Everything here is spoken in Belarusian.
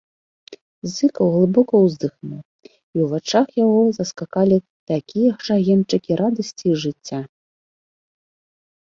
Зыкаў глыбока ўздыхнуў, і ў вачах яго заскакалі такія ж агеньчыкі радасці і жыцця.